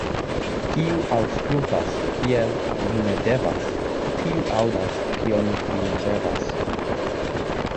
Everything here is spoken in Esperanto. Kiu aŭskultas, kie li ne devas, tiu aŭdas, kion li ne revas.